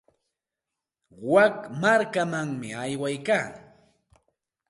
Wik markamanmi aywaykaa.